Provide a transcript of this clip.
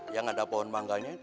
yang ada pohon manganya